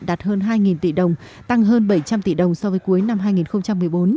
đạt hơn hai tỷ đồng tăng hơn bảy trăm linh tỷ đồng so với cuối năm hai nghìn một mươi bốn